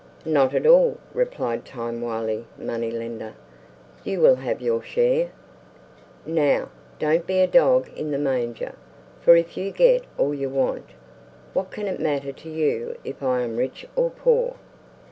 "Not at all!" replied time wily money lender; "you will have your share! Now, don't be a dog in the manger, for if you get all you want, what can it matter to you if I am rich or poor?"